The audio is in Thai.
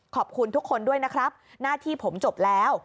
ขอบคุณทุกคนด้วยนะครับหน้าที่ผมจบแล้ว